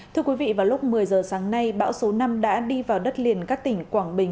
thưa quý vị vào lúc một mươi giờ sáng nay bão số năm đã đi vào đất liền các tỉnh quảng bình